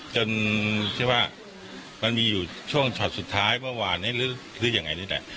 จนใช่ว่ามันมีอยู่ช่วงช็อตสุดท้ายเมื่อวานนี้หรือยังไงนี่แหละ